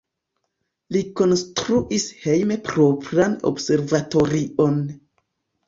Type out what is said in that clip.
Li konstruis hejme propran observatorion.